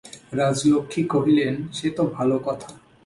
রাজলক্ষ্মী কহিলেন, সে তো ভালো কথা।